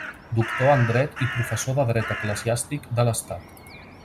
Doctor en dret i professor de dret eclesiàstic de l’Estat.